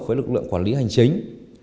với lực lượng quản lý hành trình